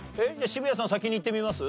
渋谷さん先にいってみます？